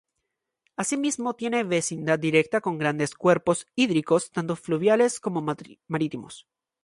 Asimismo tiene vecindad directa con grandes cuerpos hídricos, tanto fluviales como marítimos.